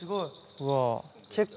うわ。